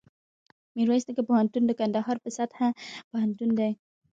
میرویس نیکه پوهنتون دکندهار په سطحه پوهنتون دی